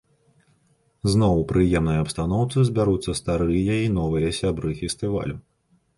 Зноў у прыемнай абстаноўцы збяруцца старыя і новыя сябры фестывалю.